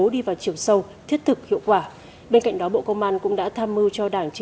đi vào chiều sâu thiết thực hiệu quả bên cạnh đó bộ công an cũng đã tham mưu cho đảng